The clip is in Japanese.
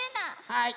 はい。